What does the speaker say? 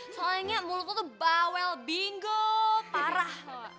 soalnya mulut lo tuh bawel bingo parah